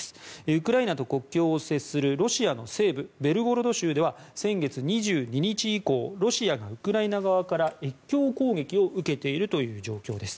ウクライナと国境を接するロシアの西部ベルゴロド州では先月２２日以降ロシアがウクライナ側から越境攻撃を受けているという状況です。